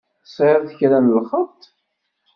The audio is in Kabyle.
Tesɛiḍ kra n lxeṭṭ?